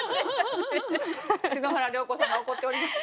篠原涼子さんが怒っております。